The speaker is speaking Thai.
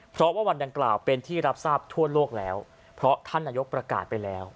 เพราะว่าวันดังกล่าวเป็นที่รับทราบทั่วโลกแล้วเพราะท่านนายกประกาศไปแล้ว